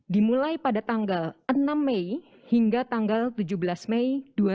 dimulai pada tanggal enam mei hingga tanggal tujuh belas mei dua ribu dua puluh